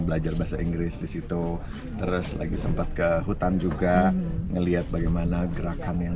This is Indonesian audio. belajar bahasa inggris disitu terus lagi sempat ke hutan juga ngelihat bagaimana gerakan yang